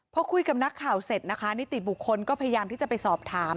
พอคุยกับนักข่าวเสร็จนะคะนิติบุคคลก็พยายามที่จะไปสอบถาม